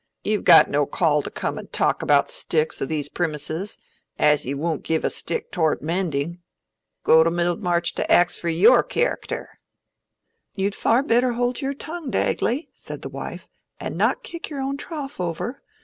"You've got no call to come an' talk about sticks o' these primises, as you woon't give a stick tow'rt mending. Go to Middlemarch to ax for your charrickter." "You'd far better hold your tongue, Dagley," said the wife, "and not kick your own trough over.